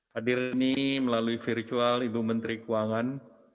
hadir ini melalui virtual ibu menteri keuangan